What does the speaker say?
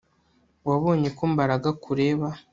Wabonye ko Mbaraga akureba